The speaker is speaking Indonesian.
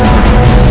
terus gini ya